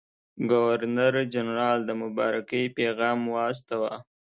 ګورنرجنرال د مبارکۍ پیغام واستاوه.